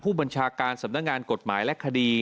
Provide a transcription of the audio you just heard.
ผู้บัญชาการสำนักงานกฎหมายและคดี